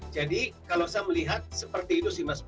jadi kalau saya melihat seperti itu sih mas